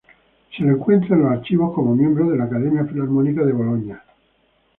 Se lo encuentra en los archivos como miembro de la Academia Filarmónica de Bologna.